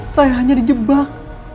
saya hanya di jebak